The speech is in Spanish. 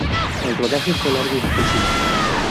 El rodaje fue largo y difícil.